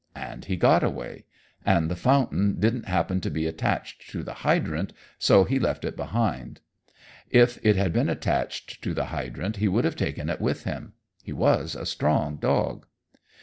And he got away, and the fountain didn't happen to be attached to the hydrant, so he left it behind. If it had been attached to the hydrant, he would have taken it with him. He was a strong dog.